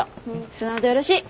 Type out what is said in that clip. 素直でよろしい！